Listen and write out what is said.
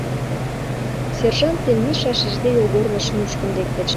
Сержант ден Миша шижде йолгорныш нушкын лектыч.